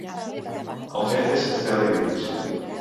El fet és que esteu dividits.